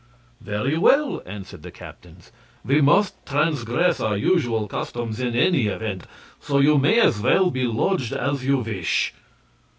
"Very well," answered the captains; "we must transgress our usual customs in any event, so you may as well be lodged as you wish."